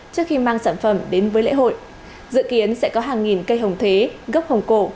trước khi mang sản phẩm đến với lễ hội dự kiến sẽ có hàng nghìn cây hồng thế gốc hồng cổ